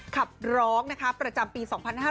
ขับร้องประจำปี๒๕๕๙